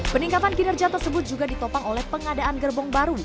peningkatan kinerja tersebut juga ditopang oleh pengadaan gerbong baru